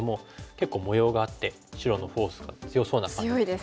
結構模様があって白のフォースが強そうな感じですよね。